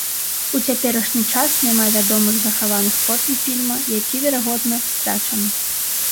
У цяперашні час няма вядомых захаваных копій фільма, які, верагодна, страчаны.